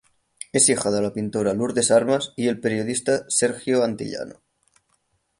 Es hija de la pintora Lourdes Armas y el periodista Sergio Antillano.